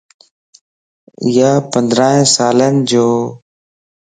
ايو پندران سالين جوَ